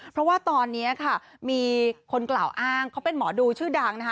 เพราะว่าตอนนี้ค่ะมีคนกล่าวอ้างเขาเป็นหมอดูชื่อดังนะคะ